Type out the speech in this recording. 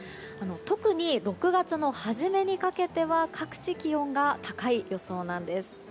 特に６月の初めにかけては各地、気温が高い予想なんです。